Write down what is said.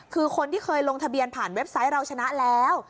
คือคนที่เคยลงทะเบียนผ่านเว็บไซต์เราชนะแล้ว